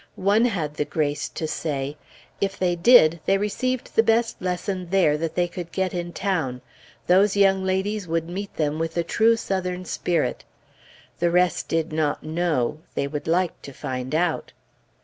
One had the grace to say, "If they did, they received the best lesson there that they could get in town; those young ladies would meet them with the true Southern spirit." The rest did not know; they would like to find out.